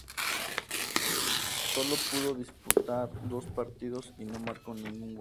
Solo pudo disputar dos partidos y no marcó ningún gol.